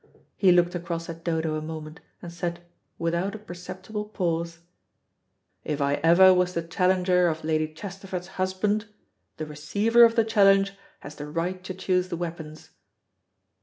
He looked across at Dodo a moment, and said, without a perceptible pause, "If I ever was the challenger of Lady Chesterford's husband, the receiver of the challenge has the right to choose the weapons."